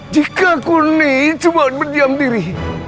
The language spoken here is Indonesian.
jika aku ini cuma meniam diri